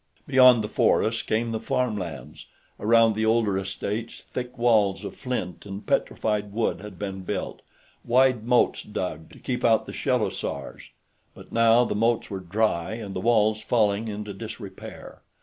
Beyond the forests came the farmlands. Around the older estates, thick walls of flint and petrified wood had been built, and wide moats dug, to keep out the shellosaurs. But now the moats were dry, and the walls falling into disrepair.